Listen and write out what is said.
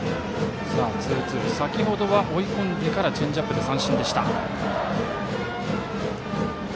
先程は追い込んでからチェンジアップで三振。